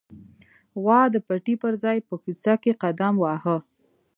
غوا د پټي پر ځای په کوڅه کې قدم واهه.